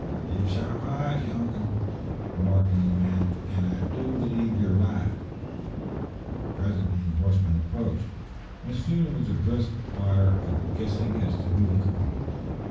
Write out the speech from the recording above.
"Ye've sharp eyes, younker," remarked one of the men, "an' I do b'lieve ye're right." Presently the horsemen approached, and soon there was a brisk fire of guessing as to who they could be.